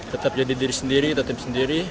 tetap jadi diri sendiri kita tim sendiri